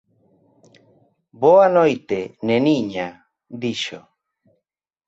Boa noite, neniña —dixo.